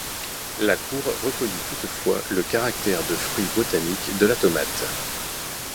La Cour reconnut toutefois le caractère de fruit botanique de la tomate.